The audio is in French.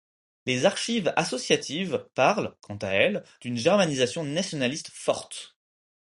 Les archives associatives parlent quant à elles d’une germanisation nationaliste forte.